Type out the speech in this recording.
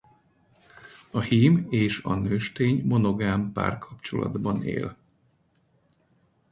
A hím és a nőstény monogám párkapcsolatban él.